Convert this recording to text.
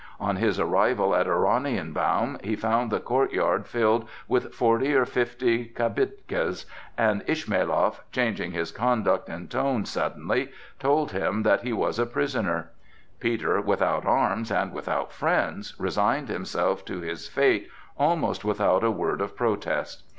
On his arrival at Oranienbaum he found the courtyard filled with forty or fifty kibitkas; and Ismailoff, changing his conduct and tone suddenly, told him that he was a prisoner. Peter, without arms and without friends, resigned himself to his fate almost without a word of protest.